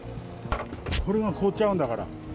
これも凍っちゃうんだから。